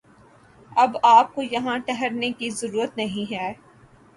اب آپ کو یہاں ٹھہرنے کی ضرورت نہیں ہے